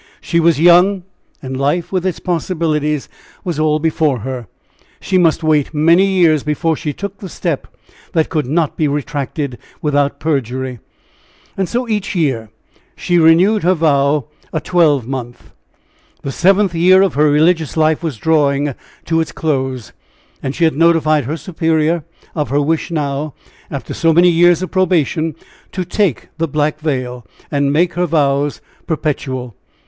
She was young, and life, with its possibilities, was all before her; she must wait many years before she took the step that could not be retracted without perjury. And so each year she renewed her vow a twelvemonth. The seventh year of her religious life was drawing to its close, and she had notified her superior of her wish now, after so many years of probation, to take the black veil, and make her vows perpetual.